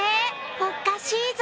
おかしいぞ？